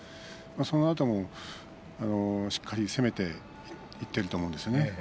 そのあともしっかりと攻めていっていると思うんですよね。